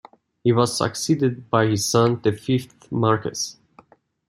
He was succeeded by his son, the fifth Marquess.